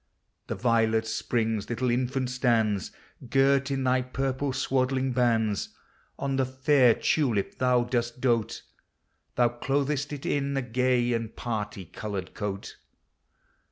37 The violet, Spring's little infant, stands Girt in thy purple swaddling bands; On the fair tulip thou dost dote; Thou cloth'st it in a gay and party colored coat.